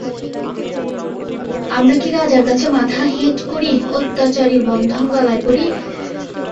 আমরা কি রাজার কাছে মাথা হেঁট করি, অত্যাচারীর বন্ধন গলায় পরি?